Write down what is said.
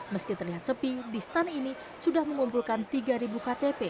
meski terlihat sepi di stand ini sudah mengumpulkan tiga ktp